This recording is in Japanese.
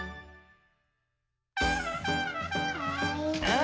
あ